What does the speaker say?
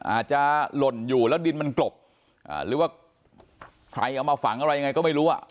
หล่นอยู่แล้วดินมันกลบหรือว่าใครเอามาฝังอะไรยังไงก็ไม่รู้อ่ะ